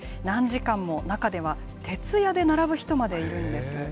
何時間も中では徹夜で並ぶ人までいるんです。